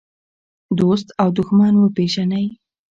دوست او دښمن وپېژنئ.